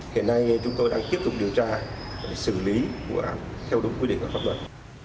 hiện nay chúng tôi đang tiếp tục điều tra để xử lý vụ án theo đúng quy định của pháp luật